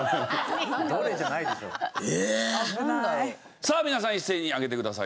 さあ皆さん一斉に上げてください。